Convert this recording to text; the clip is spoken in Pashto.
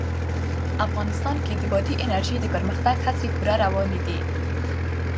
افغانستان کې د بادي انرژي د پرمختګ هڅې پوره روانې دي.